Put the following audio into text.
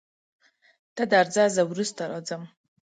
ته درځه زه وروسته راځم.